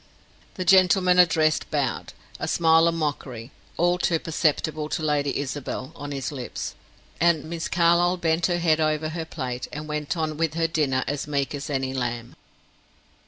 The gentleman addressed bowed, a smile of mockery, all too perceptible to Lady Isabel, on his lips. And Miss Carlyle bent her head over her plate, and went on with her dinner as meek as any lamb.